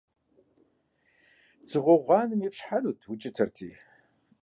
Дзыгъуэ гъуанэм ипщхьэнут, укӀытэрти.